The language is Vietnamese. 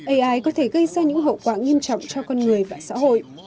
ai có thể gây ra những hậu quả nghiêm trọng cho con người và xã hội